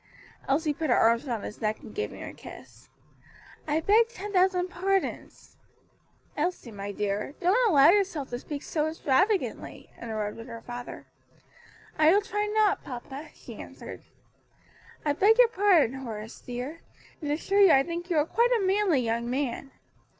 Elsie put her arms round his neck, and gave him a kiss, "I beg ten thousand pardons." "Elsie, my daughter, don't allow yourself to speak so extravagantly," interrupted her father. "I will try not, papa," she answered. "I beg your pardon, Horace dear, and assure you I think you are quite a manly young man.